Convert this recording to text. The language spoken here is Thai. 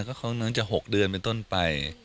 ก็คงจะ๖เดือนเป็นต้นไป